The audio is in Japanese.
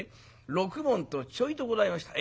六文とちょいとございました。